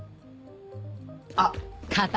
あっ！